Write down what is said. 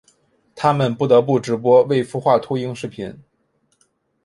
他们不得不直播未孵化秃鹰视频。